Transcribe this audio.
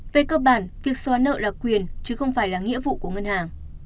về cơ bản việc xóa nợ là quyền chứ không phải là nghĩa vụ của ngân hàng